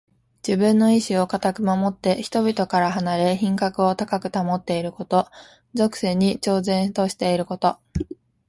自分の意志をかたく守って、人々から離れ品格を高く保っていること。俗世に超然としていること。